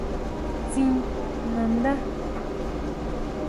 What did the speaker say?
Tsín nandá.